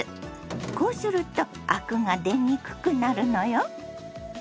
こうするとアクが出にくくなるのよ。